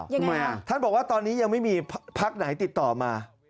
ยังไงอ่ะท่านบอกว่าตอนนี้ยังไม่มีพักไหนติดต่อมา